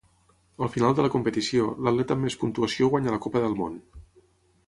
Al final de la competició, l'atleta amb més puntuació guanya la Copa del Món.